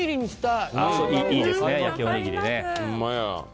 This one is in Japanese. いいですね、焼きおにぎり。